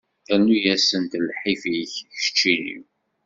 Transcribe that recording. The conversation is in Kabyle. Rnu-asent lḥif-ik keččini!